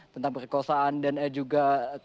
tentang perkosaan dan juga